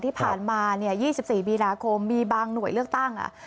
ที่ผ่านมาเนี่ย๒๔มีนาคมมีบางหน่วยเลือกตั้ง